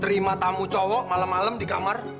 terima tamu cowok malam malam di kamar